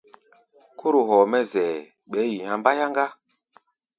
Kóro hɔɔ mɛ́ zɛʼɛ, ɓɛɛ́ yi há̧ mbáyáŋá.